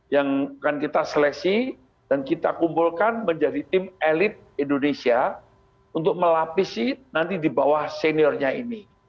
yang akan kita seleksi dan kita kumpulkan menjadi tim elit indonesia untuk melapisi nanti di bawah seniornya ini